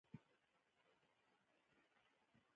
احمد له محمود سره ډېرې لانجې وکړې، بده خوښول ښه کار نه دی.